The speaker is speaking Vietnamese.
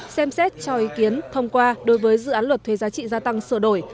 xem xét cho ý kiến thông qua đối với dự án luật thuê giá trị gia tăng sửa đổi